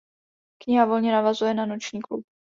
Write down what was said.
Kniha volně navazuje na "Noční klub".